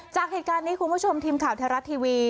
จากเหตุการณ์นี้คุณผู้ชมทีมข่าวไทยรัฐทีวี